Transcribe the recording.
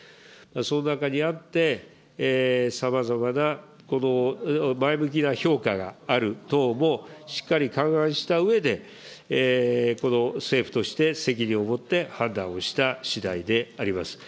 その中にあって、さまざまな前向きな評価がある等もしっかり勘案したうえで、政府として責任を持って判断をしたしだいであります。